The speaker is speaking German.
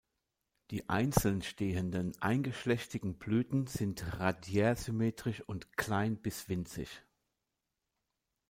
Die einzeln stehenden, eingeschlechtigen Blüten sind radiärsymmetrisch und klein bis winzig.